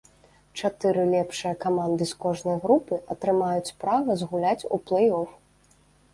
Чатыры лепшыя каманды з кожнай групы атрымаюць права згуляць у плэй-оф.